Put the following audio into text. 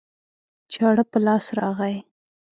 چاړه په لاس راغی